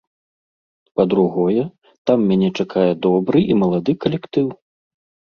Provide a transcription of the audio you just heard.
Па-другое, там мяне чакае добры і малады калектыў.